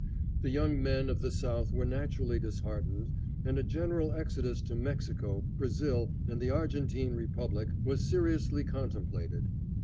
The young men of the South were naturally disheartened, and a general exodus to Mexico, Brazil, and the Argentine Republic was seriously contemplated.